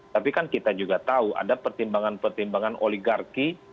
tapi kan kita juga tahu ada pertimbangan pertimbangan oligarki